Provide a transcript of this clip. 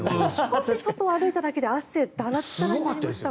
少し外を歩いただけで汗ダラダラになりました。